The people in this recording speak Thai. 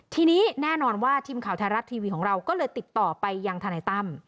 ทีนี้แน่นอนว่าทีมข่าวไทยรัฐทีวีของเราก็เลยติดต่อไปยังทนายตั้ม